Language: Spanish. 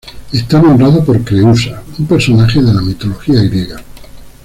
Está nombrado por Creúsa, un personaje de la mitología griega.